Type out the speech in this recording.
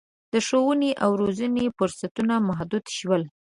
د ښوونې او روزنې فرصتونه محدود شول.